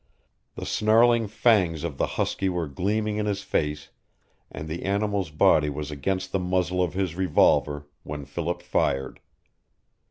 The snarling fangs of the husky were gleaming in his face and the animal's body was against the muzzle of his revolver when Philip fired.